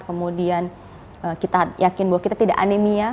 kemudian kita yakin bahwa kita tidak anemia